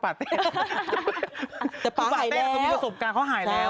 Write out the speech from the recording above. ประเทศมีประสบการณ์เขาหายแล้ว